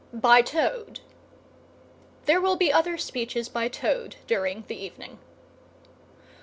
... BY TOAD. (There will be other speeches by TOAD during the evening.)